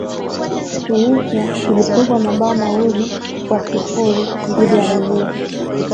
tunisia ilipigwa mabao mawili kwa sifuri dhidi ya wenyeji